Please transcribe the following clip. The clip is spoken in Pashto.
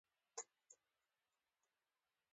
ځان من من ګڼل